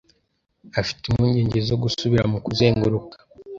Afite impungenge zo gusubira mu kuzenguruka.